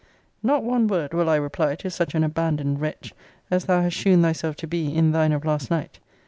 Not one word will I reply to such an abandoned wretch, as thou hast shewn thyself to be in thine of last night.